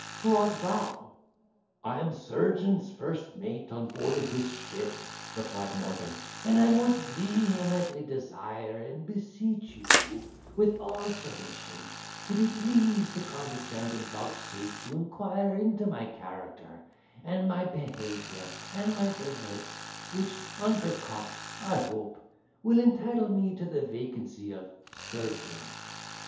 who art thou?" "I am surgeon's first mate on board of this ship," replied Morgan: "and I most vehemently desire and beseech you, with all submission, to be pleased to condescend and vouchsafe to inquire into my character, and my pehaviour, and my deserts, which, under Cot, I hope, will entitle me to the vacancy of surgeon."